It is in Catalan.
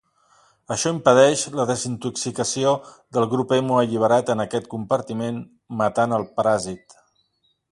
Això impedeix la desintoxicació del grup hemo alliberat en aquest compartiment, matant el paràsit.